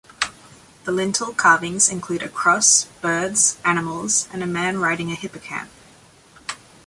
The lintel carvings include a cross, birds, animals, and a man riding a hippocamp.